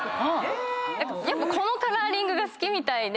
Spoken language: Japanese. やっぱこのカラーリングが好きみたいで。